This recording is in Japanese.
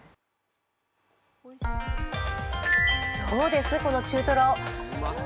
どうです、この中とろ。